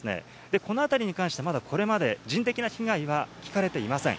この辺りに関してはまだこれまで人的な被害は聞かれていません。